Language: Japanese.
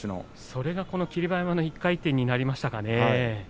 それが霧馬山の１回転になりましたかね。